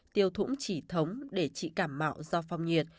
tiêu thủng chỉ thống để trị cảm mạo do phong nhiệt